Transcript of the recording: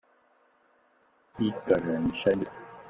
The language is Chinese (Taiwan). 一個人生日